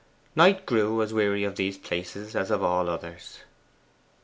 Knight grew as weary of these places as of all others.